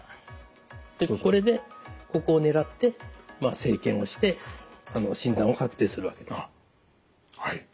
これでここを狙って生検をして診断を確定するわけです。